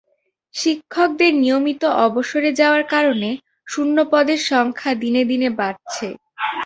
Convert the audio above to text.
শিক্ষকদের নিয়মিত অবসরে যাওয়ার কারণে শূন্য পদের সংখ্যা দিনে দিনে বাড়ছে।